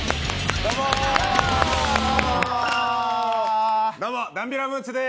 どうもダンビラムーチョです